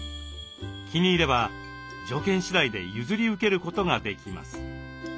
気に入れば条件次第で譲り受けることができます。